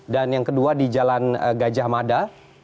dan yang kedua di jalan gajah mada